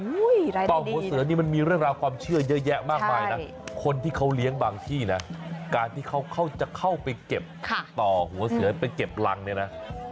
ต่อหัวเสือนี่มันมีเรื่องราวความเชื่อเยอะแยะมากมายนะคนที่เขาเลี้ยงบางที่นะการที่เขาจะเข้าไปเก็บต่อหัวเสือไปเก็บรังเนี่ยนะ